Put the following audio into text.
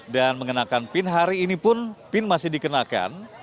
dan mengenakan pin hari ini pun pin masih dikenakan